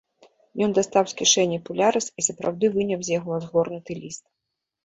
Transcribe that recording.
Ён дастаў з кішэні пулярэс і сапраўды выняў з яго згорнуты ліст.